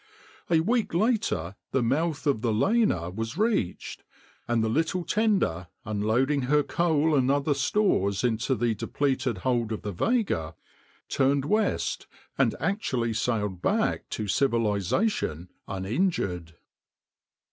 A week later the mouth of the Lena was reached, and the little tender, unloading her coal and other stores into the depleted hold of the Vega, turned west, and actually sailed back to civilization uninjured.